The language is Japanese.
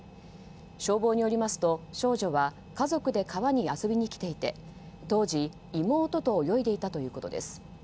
消防によりますと少女は家族で川に遊びに来ていて当時、妹と泳いでいたということです。